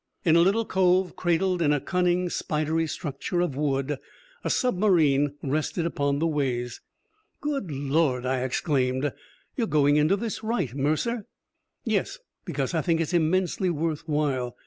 In a little cove, cradled in a cunning, spidery structure of wood, a submarine rested upon the ways. "Good Lord!" I exclaimed. "You're going into this right, Mercer!" "Yes. Because I think it's immensely worth while.